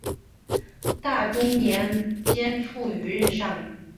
大中年间卒于任上。